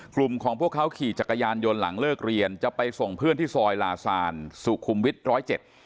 กลุ่มของพวกเขาขี่จักรยานยนต์หลังเลิกเรียนจะไปส่งเพื่อนที่ซอยลาซานสุขุมวิทย์ร้อยเจ็ด